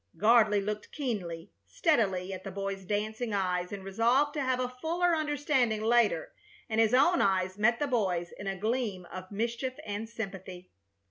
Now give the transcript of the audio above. Gardley looked keenly, steadily, at the boy's dancing eyes, and resolved to have a fuller understanding later, and his own eyes met the boy's in a gleam of mischief and sympathy.